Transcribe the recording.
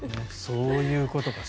そういうことか。